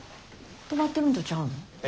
止まってるんとちゃうん？